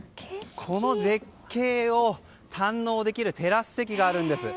この絶景を堪能できるテラス席があるんです。